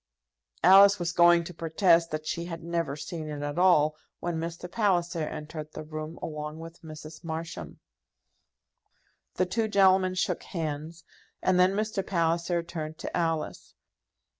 Alice was going to protest that she had never seen it at all, when Mr. Palliser entered the room along with Mrs. Marsham. The two gentlemen shook hands, and then Mr. Palliser turned to Alice.